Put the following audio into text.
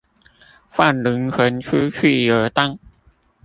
放靈魂出去遊蕩